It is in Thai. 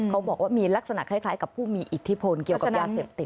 เขาบอกว่ามีลักษณะคล้ายกับผู้มีอิทธิพลเกี่ยวกับยาเสพติด